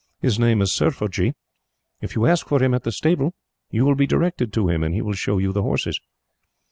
His name is Serfojee. If you ask for him at the stable, you will be directed to him, and he will show you the horses.